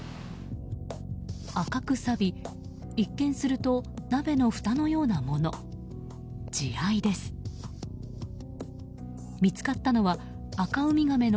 赤くさび、一見すると鍋のふたのようなもの。